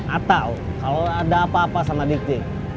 atau kalau ada apa apa sama dikti